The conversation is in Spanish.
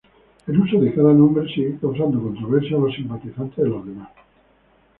El uso de cada nombre sigue causando controversia a los simpatizantes de los demás.